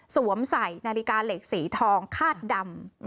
สวมใส่นาฬิกาเหล็กสีทองคาดดำ